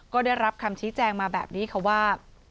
ก็ได้รับคำชี้แจงมาแบบนี้ค่ะว่า